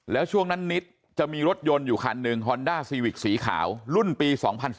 แล้วช่วงนั้นนิดจะมีรถยนต์อยู่คันหนึ่งฮอนด้าซีวิกสีขาวรุ่นปี๒๐๑๙